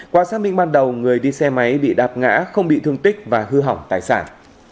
qua xác minh ban đầu người đi xe máy bị đạp ngã không bị thương tích và hư hỏng tài sản